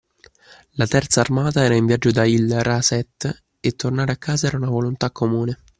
La terza armata era in viaggio da Ilraset, e tornare a casa era una volontà comune.